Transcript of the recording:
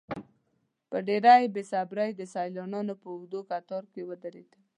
په ډېرې بې صبرۍ د سیلانیانو په اوږده کتار کې ودرېدم.